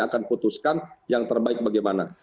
akan putuskan yang terbaik bagaimana